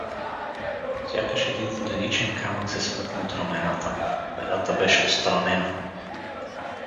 Сякаш един воденичен камък се смъкна от рамената му — бедата беше отстранена!